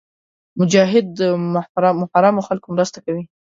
مجاهد د محرومو خلکو مرسته کوي.